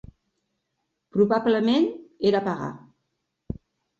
Probablement era pagà.